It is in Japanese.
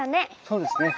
そうですね。